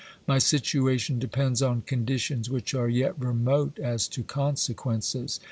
My situation depends on conditions which are yet remote as to consequences.